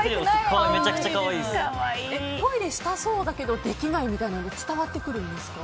トイレしたそうだけどできないみたいなのが伝わってくるんですか？